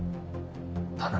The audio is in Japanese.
頼む。